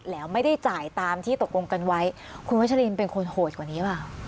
แล้วไม่ได้จ่ายตามที่ตกลงกันไว้คุณวัชลินเป็นคนโหดกว่านี้หรือเปล่า